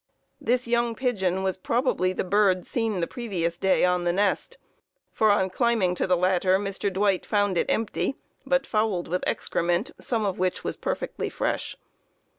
This young pigeon was probably the bird seen the previous day on the nest, for on climbing to the latter, Mr. Dwight found it empty, but fouled with excrement, some of which was perfectly fresh.